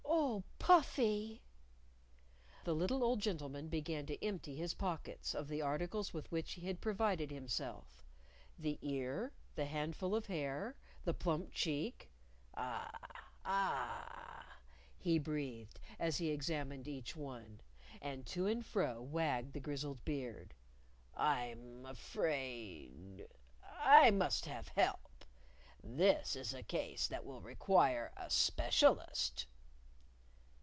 "Oh, Puffy!" The little old gentleman began to empty his pockets of the articles with which he had provided himself the ear, the handful of hair, the plump cheek. "Ah! Ah!" he breathed as he examined each one; and to and fro wagged the grizzled beard. "I'm afraid ! I must have help. This is a case that will require a specialist."